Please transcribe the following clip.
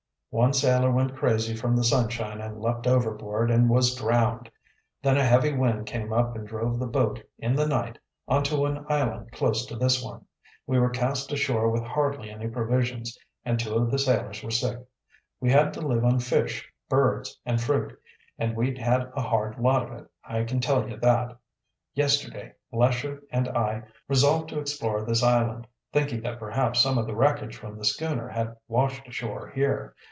"One sailor went crazy from the sunshine and leaped overboard, and was drowned. Then a heavy wind came up and drove the boat, in the night, onto an island close to this one. We were cast ashore with hardly any provisions, and two of the sailors were sick. We had to live on fish, birds, and fruit, and we've had a hard lot of it, I can tell you that. Yesterday Lesher and I resolved to explore this island, thinking that perhaps some of the wreckage from the schooner had washed ashore here.